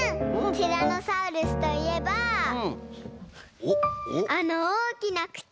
ティラノサウルスといえばあのおおきなくち！